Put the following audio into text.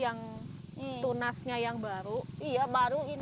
jadi sebelum yang punya kebun membongkar ini bekas panennya itu diambilin sama ma'oom gitu ya